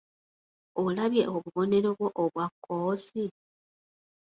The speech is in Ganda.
Olabye obubonero bwo obwa kkoosi?